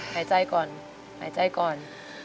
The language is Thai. หายใจก่อนหายใจก่อน